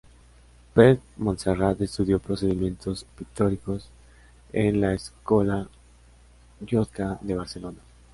Pep Montserrat estudió Procedimientos Pictóricos en la Escola Llotja de Barcelona.